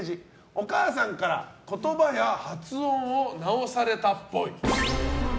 お母さんから言葉や発音を直されたっぽい。